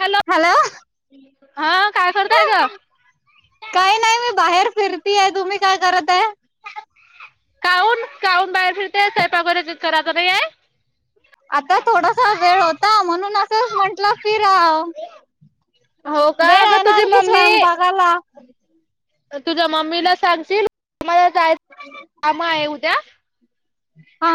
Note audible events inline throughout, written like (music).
Hello हा काय करताय ग काही नाही मी बाहेर फिरतीय तुम्ही काय करत आहे? काऊन काऊन बाहेर फिरते सयपाक वगैरे करायचं नाही? आता थोडासा वेळ होता म्हणून असंच म्हंटलं कि फिराव. हो का वेळ अगं ये ना आण तुझी आणखी मम्मी स्वयंपाकाला. तुझ्या मम्मीला सांगशील? आम्हाला जाय कामा आहे उद्या हा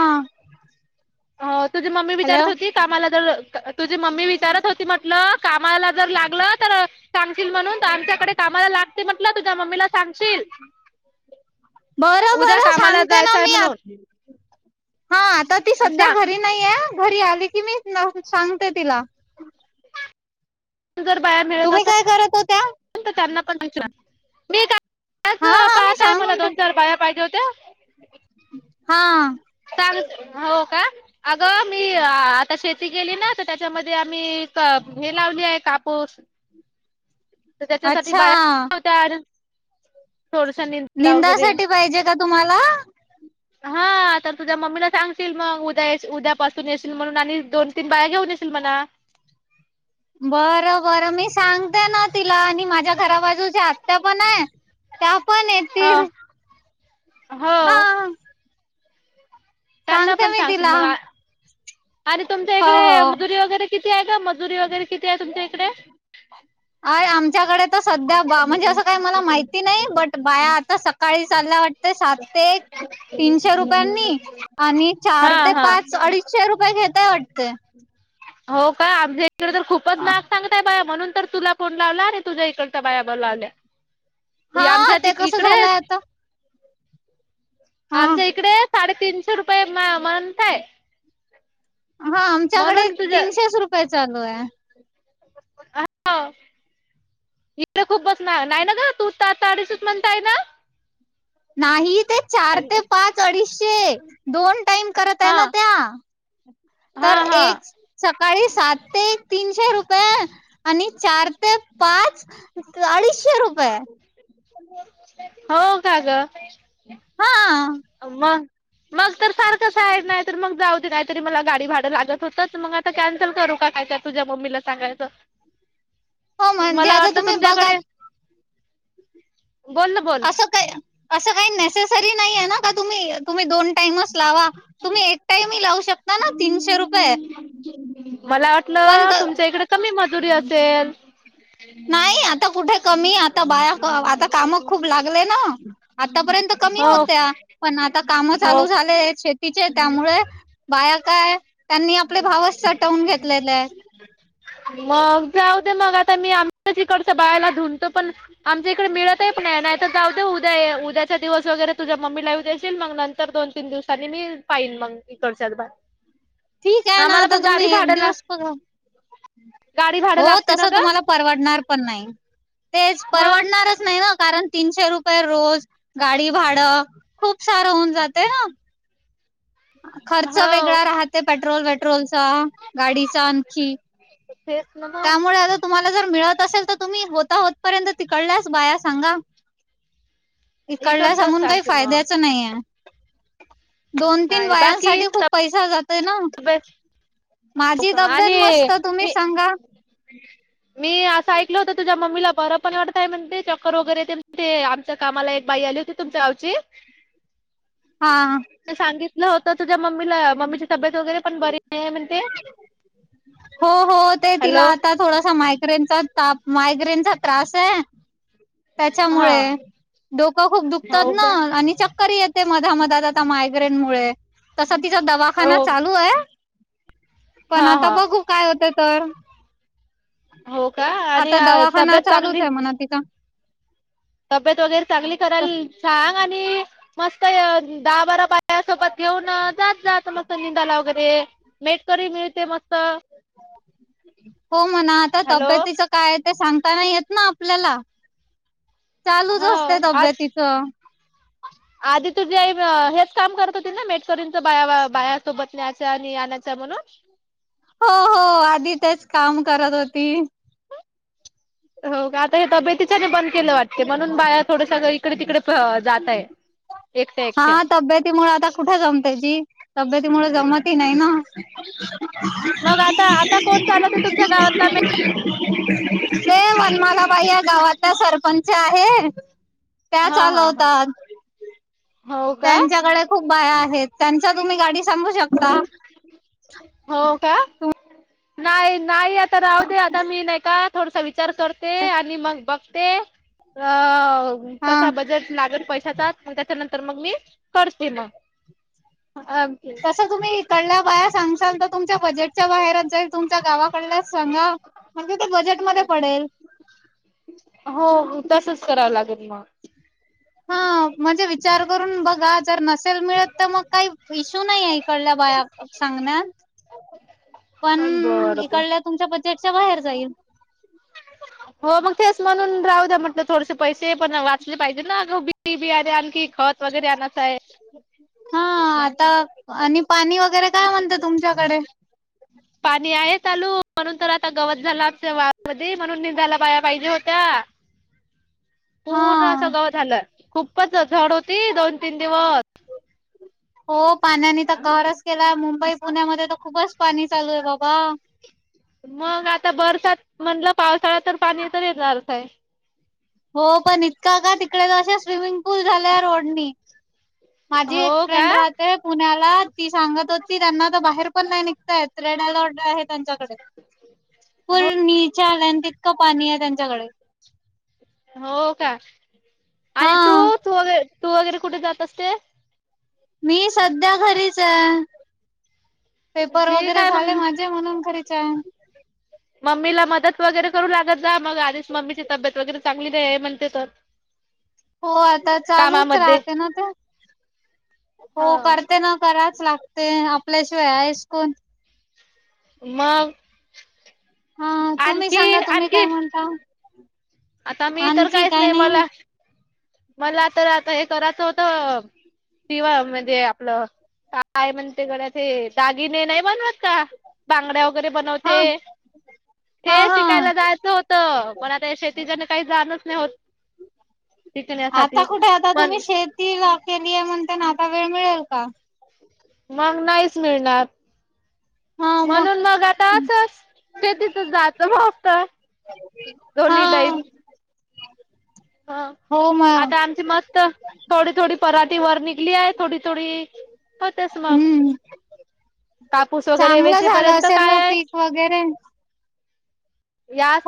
अ तुझी मम्मी हॅलो विचारत होती कामाला जर तुझी मम्मी विचारत होती म्हटलं कामाला जर लागलं तर सांगशील म्हणून आमच्याकडे कामाला लागते म्हटलं तुझ्या मम्मीला सांगशील. बरं उद्या बर कामाला सांगते ना जायचंय मी म्हणून आ हा आता ती सध्या घरी सांग नाहीये घरी आली की मी सांगते तिला. जर तुम्ही काय करत होत्या? त्यां पण मी हा हा मी पाहतय मला सांगून दे दोन चार बाया पाहिजे होत्या. हां हो का अगं मी आता शेती गेली ना तर त्याच्यामध्ये आम्ही हे लावली आहे कापूस तर त्याच्यासाठी अच्छा बाया (unintelligible) लावत. थोडसा निला वगैरे निंदासाठी पाहिजे का तुम्हाला हा आता. तुझ्या मम्मीला सांगतील मग उद्या उद्यापसून येशील म्हणून आणि दोन तीन बाया घेऊन येशील म्हणा. (inaudible) बरं बरं मी सांगते ना तिला आणि माझ्या घरा बाजूची आत्या पण आहे. त्या पण हा येतील. हो हा त्यांना सांगते पण मी सांगशील तिला. मग आणि तुमच्या हो इकडे हो. मजुरी वगैरे किती आहे ग मजुरी वगैरे किती तुमच्या इकडे? आता सध्या बा म्हणजे असं काही मला माहिती नाही बट बाया आता सकाळी चालल्या वाटते सात ते तीनशे रुपयांनी आणि चार हा ते हा पाच अडीचशे रुपये घेताय वाटते हो का आमच्या इकडे तर खूपच माहाग सांगतय बा म्हणून तर तुला फोन लावला आणि तुझ्या इकड. बायाबाला आल्या हा आमच्या त ते कसं इकडे झालंय आता हा आमच्या इकडे साडेतीनशे रुपये मंथ आहे. हा आमच्याकडे म्हणून तीनशेच रुपये चालू आहे. ह्ं इथ खूप बसणार नाही ना का तू त तडीस म्हणताय ना. नाही ते चार ते पाच अडीचशे दोन टाईम करत आहे हा ना त्या. हा तर हा एक. सकाळी सात ते तीनशे रुपये, आणि चार ते पाच, अडीचशे रुपये. हो का ग. हा मग मग तर सारखं आहेसाणार. तर मग जाऊ दे नाहीतरी मला गाडी भाडं लागत होतंच, मग आता कॅन्सल करू काय का तझ्या मम्मीला सांगायचं. हो म्हणजे मला आता वाटत तुम्ही बघा तुमच्याकडे बोल ना बोल का. अस काही नेसेसरी नाही ना. तुम्ही तुम्ही दोन टाईमच लावा तुम्ही एक टाईम ह लावू शकता ना तीनशे रुपये. मला पण वाटलं तुमच्या इकडे कमी मजुरी असेल नाही आता कुठे कमी आता बाया आता काम खूप लागले ना आतापर्यंत कमी हो होत्या. पण आता काम चालू हो झाले शेतीचे त्यामुळे. बाया काय त्यांनी आपले भावच सटवून घेतलेले आहे. मग जाऊ दे मग आता मी आमच्या इकडच बाला धुनतो पण आमच्या इकडे मिळत आहे पण. नाही तर उद्या उद्याचा दिवस वगैरे तुझ्या मम्मी ला येऊ देशील मग नंतर दोन तीन दिवसांनी मी फाईन मग कडच्यात बरं. ठीक आहे ना आता तुम्ही एक दिवस प गाडी भाडं हो लागते तस ना गं तुम्हाला परवडणार पण नाही, तेच मग परवडणारच नाही. कारण तीनशे रुपये रोज, गाडी भाड, खूप सार होऊन जाते ना. खर्च हो वेगळा राहते, पेट्रोल वेट्रोलचा, गाडीचा आणखी. तेच ना म. त्यामुळे आता तुम्हाला मिळत असेल त, तुम्ही होता होत पर्यंत तिकडल्यास बाया सांगा. इकडला इकडचंच सांगून काही सांगते मग फायद्याच नाहीेये. दोन तीन नाही बाकी बायांसाठी खूप पैसा जातो. ना. तब्येत माझी तब्येत मस्त तुम्ही सांगा. क (inaudible) मी असं ऐकलं होत, तुझ्या मम्मीला बर पण वाटत नाय म्हण ते चक्कर वगैरे, ते ते आमच्या कामाला एक बाई आल होती, तुमच गावची. हा. होत तुझ्या मम्मीला, मम्मीची तब्येत वगैरे पण बरीनाय म्हणते. हो हो ते तिला हॅलो आता थोडस माहित माग्रेनचा ताप मायग्रेनचा त्रासे. हा त्याच्यामुळे डोकं खूप दुखतात हो ना, का आणि चक्कर येत. ते मधा मधात आता मायग्रें मुळे, तस तिचा हो दवाखाना चालूये. पण हा आता हा बघू. तर हो का आणि आता दवाखना तब्येत चांगली चालूचचे म्हणा तिचा. तब्येत वगैरे चांगली तर कराला सांग, आणि मस्त दहा बारा बाय न त्यासोबत घेऊन जात जात मस्त निंदाला वगैरे, मेटकरी मिळते मस्त. हो म्हणा आता हॅलो तब्यतीच काय. ते सांगताना येत ना आपल्याला चालूच हो असते आज तब्यतीच. आधी तुझे हेच काम करत होते ना, मेटकरींच बा बायासोबत नेयच आणि ज म्हणून. हो हो आधी तेच काम करत होती. हो आता हे तब्येतीच्याने बंद केलं वाटते, म्हणून बाया थोडस इकडे तिकडे जात आहे. एकट्या एकट्या हा तब्येती मुळ आता कुठे जमते जी, तब्येती मुळ जमत ही नाही ना. (inaudible) मग आता आता कोण चालवते तुमच्या गावातला मे ते मनमालाबाई या गावाचा सरपंच आहे. काय हा चालू हा हा होतात. हो का त्यांच्याकडे खूप बाया आहेत, त्यांच्या तुम्ही गाडी सांगू शकता. हो का? नाही नाही आता राह दे आता मी नाही का थोडसा विच विचार करते आणि मग बघते, अ हा. कसा बजेट लागेल पैशाचा, त्याच्यानंतर मग मी करते म. कसं तुम्ही इकडल्या बाया सांगशाल त तुमच्या बजेट च्या बाहेरच तुमच्या गावाकड सांगा, म्हणजे ते बजेटमध्ये पडेल. हो तसच करावं लागेल म. हा म्हणजे विचार करून बघा, जर नस मिळत तर मग काही इशू नाहीय, कडल्या बाया सांगण्यात. पण बरं बर इकडल्या तुमच्या बजेटच्या बाहेर जाईल. हो मग तेच म्हणून राहू द्या म्हटलं, थोडसे पैसे पण वाचले पाहिजे ना, बि बियाे आणखी खत वगैरे आणायचं आहे. हा आता आणि पाणी वग वगैरे काय म्हणत तुमच्याकडे. ह (inaudible) पाणी आहे चालू म्हणून तर आता गवत झाला आमच्या वावरा मधी, म्हणून निंदायला बाया पाहिजे होत्या. (inaudible) हा पूर्ण अस गवत झालं, खूपच झड होती दोन तीन दिवस. हो पाण्याने त कहरच केलाय, मुंबई पुण्यामध्ये तर खूपच पाणी चालूये बाबा. मग आता बरसात म्हणलं पावसाळा तर पाणी तर येणारच आहे. हो पण इतकं का? तिकडे अशेच स्विमिंग पूल झालाय रोडणी, माझी एक हो फ्रेंड का राहते पुण्याला. ती सांगत होती, त्यांना तर बाहेर पण नाही निघता येत, रेड अलर्ट आहे. त्यांच्याकडे, हो पुल नीचे आला ना, तितकं पाणीये, त्यांच्याकडे. हो का? हा आणि तू तू वगर तू वगैरे कुठे जात असते. मी सध्या घरीच आहे. पेपर ठीक वगैरे आहे झाले मग माझे म्हणून घरीचे. मम्मीला मदत वगैरे करू लागत जा म, मग आधीच मम्मीची तब्येत वगैरे चांगली म्हणते तर. हो आता चालूच कामामध्ये राहते ना ते, हो हा करते न, करात लागते. आपल्याशिवाय आहेस कोण. मग. हा तुम्ही आणखी सांगा तुम्ही काय आणखी म्हणता. आता मी तर आणखी काहीच काही नाही मला मला तर आता हे करायचं होतं, दिवा म्हणजे आपलं. काय म्हणते गड्या ते, दागिने नाही बनवत का? बांगड्यावर वगरे बनवते, हा हा ते हा शिकायला जायचं होत, पण आता शेत तीच्याना काही जाणच नाही होत. आता शिकण्यासाठी. कुठे आता तुम्ही पण शेती केलीय म्हणते ना, आता वेळ मिळेल का? मग नाहीच मिळणार. म्हणून मग आता असच शेतीतच जाचं फक्त. हा दोनी टाईम. हा. हो मग आता आमची मस्त थोडी थोडी पराठीे वर निघली आहे, थोडी थोडी. हो तेस मग. हम्म कापूस वगैरे चांगलं झालं वेचेपर्यंत असेल काय ना आहे? पीक वगैरे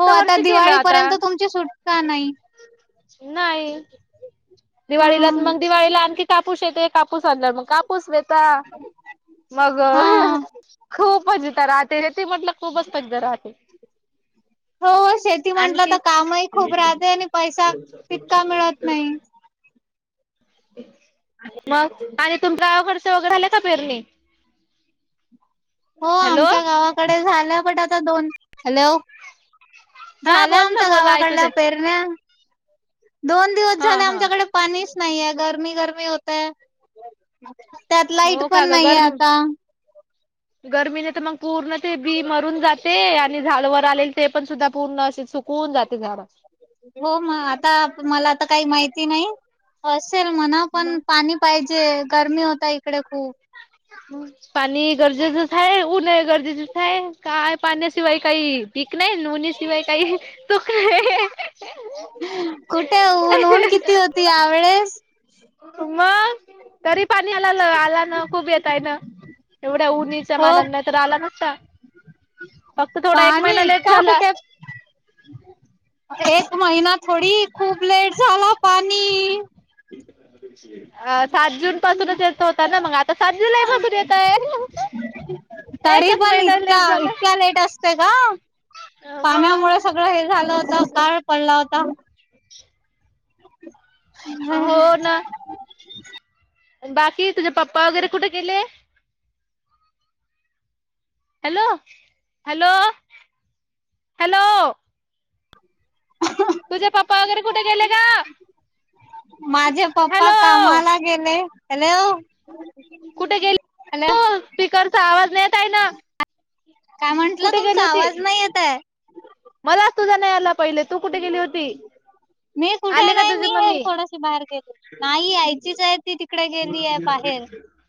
हो आता वर्षी केलं आता दिवाळीपर्यंत तुमची सुटका नाही. नाही, दिवाळीला मग हा दिवाळीला आणखी. कापूस येते, कापूस आणल मग कापूस वाचा, मग खूप. खूपजथ राहते र ते म्हटलं खूपस्तक राहते. हो शेती म्हटलं आणखी तर कामही खूप राहते, आणि पैसा तितका मिळत नाही. मग आणि तुमच्यावाकडचं वगैरे झालेय का? पेरणी. हो हॅलो आमच्या गावाकडे झालं, पण आता दोन, हॅलो. हा झाल्या बोल ना आमच्या बोल ऐकू गावाकडल्या येते पेरण्या. दोन दिवस हा झाले हा आमच्याकडे पाणी. नाहीये गरमी गरमी होतय. त्यात लाईट पण नाहीये आता. गर्मीने तर मग पूर्ण ते बी मरून जाते आणि झाडवर आलेल. ते पण सुद्धा पूर्ण अस सुकवून जाते झा. हो मग आता मला आता काही माहिती नाही. (unintelligible) म्हणा पण मग पाणी पाहिजे गरमी होता इकडे खूप. पाणी गरजेचंच हाहे, उनय गरजेचच हाहे, काय पाण्याशिवाय काही पीक नाही उनी शिवाय काही तो काय. कुठे ऊन ऊन किती होती यावेळेस. मग तरी पाणी आला आला ना खूप येेतय न. एवढ्या उऊणीच्या हो मानांना, नाही तर आला नसता. फक्त थोडा एक पाणी महिना लेट इतका झाला. कुठे एक महिना थोडी, खूप लेट झाला पाणी. अ. सात जून पासूनच येत होता ना, मग आता सात जुलै पासून येत आहे. तरी एकच पण महिना इतका लेट इतक्या झाला लेट असते का? मग पाण्यामुळे सगळं हे झालं होत काळ पडला होता. (inaudible) ह्ं हो ना बाकी तुझे पप्पा वगैरे कुठे केले? हॅलो हॅलो हॅलो तुझे पप्पा वगैरे कुठे गेले का? माझे पप्पा हॅलो कामाला गेले हॅलो. कुठे गेले हॅलो तू स्पीकरचा आवाज नाही येत आहे ना काय म्हंटलं तुमचा आवाज नाही येतय. मला तुझा नाही आला पाहिले तू कुठे गेली होती? मी कुठे आली का नाही तुझी मी आहे मम्मी थोडशी बाहेर गेली नाही यायचीच आहे ती तिकडे गेली आहे बाहेर. ह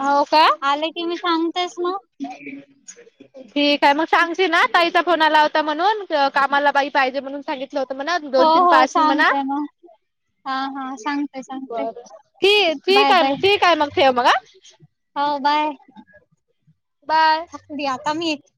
हो का की मी सांगतेस ना ठीक आहे मग सांगशील ना ताईचा फोन आला होता म्हणून कामाला बाई पाहिजे म्हणून सांगितलं होतं म्हणा दोन. हो हो सांगते नाग. (inaudible) ब ठी ठीक बाय आहे बाय मग ठीक आहे मग ठेव मग हो बाय बाय. आता मी